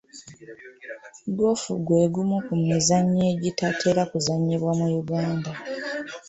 Goofu gwe gumu ku mizannyo egitatera kuzannyibwa mu Uganda.